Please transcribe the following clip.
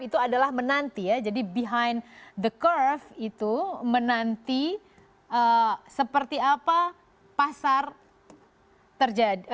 itu adalah menanti ya jadi behind the curve itu menanti seperti apa pasar terjadi